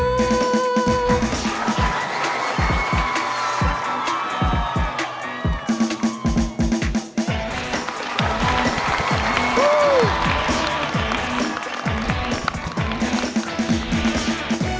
อยู่ในหู